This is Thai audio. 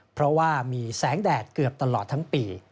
เพราะว่ามีแสงแดดเกือบตลอดทั้งปี